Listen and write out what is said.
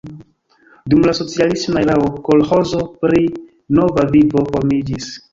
Dum la socialisma erao kolĥozo pri Nova Vivo formiĝis.